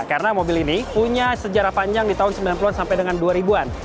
karena mobil ini punya sejarah panjang di tahun sembilan puluh an sampai dengan dua ribu an